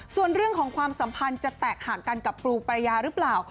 ส่วนเรื่องของความสัมพันธ์จะแตกห่างกันกับปูปรายาหรือเปล่า